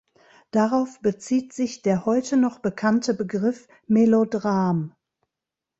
Darauf bezieht sich der heute noch bekannte Begriff Melodram.